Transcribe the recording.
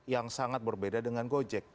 yang sangat berbeda dengan gojek